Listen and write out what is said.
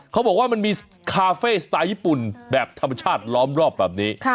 เขาบอกว่ามันมีคาเฟ่สไตล์ญี่ปุ่นแบบธรรมชาติล้อมรอบแบบนี้